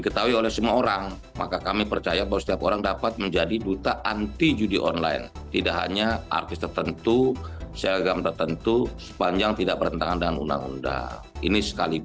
selamat sore pak menteri